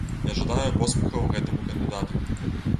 Я жадаю поспехаў гэтаму кандыдату.